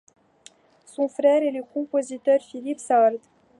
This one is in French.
Son frère est le compositeur Philippe Sarde.